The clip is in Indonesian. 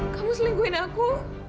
kamu selingkuhin aku